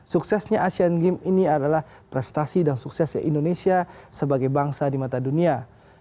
suksesnya asian games ini adalah prestasi dan suksesnya indonesia sebagai bangsa di mata dunia